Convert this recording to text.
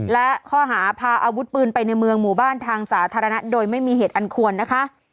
และข้อหาพาอาวุธปืนไปในเมืองหมู่บ้านทางสาธารณะโดยไม่มีเหตุอันควรนะคะ